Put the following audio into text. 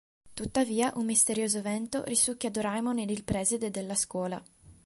Tuttavia, un misterioso vento risucchia Doraemon ed il preside della scuola.